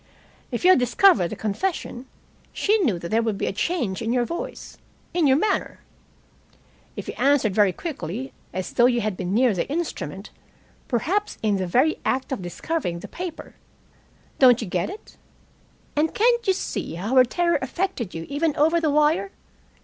If you had discovered the confession, she knew that there would be a change in your voice, in your manner. If you answered very quickly, as though you had been near the instrument, perhaps in the very act of discovering the paper don't you get it? And can't you see how her terror affected you even over the wire?